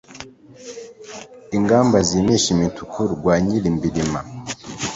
Ingamba zimisha imituku, rwa Nyirimbirima;